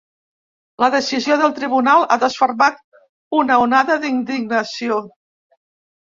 La decisió del tribunal ha desfermat una onada d’indignació.